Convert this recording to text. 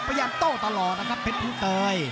พยายามโตตลอดนะครับเพชรพุเตย